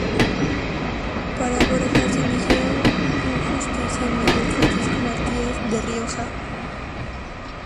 Para Borja se eligió un justicia mayor, Francisco Matías de Rioja.